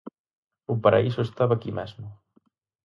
O paraíso estaba aquí mesmo.